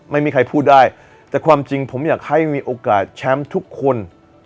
ไม่มีใครพูดได้แต่ผมอยากให้โอกาสแชมป์ทุกคน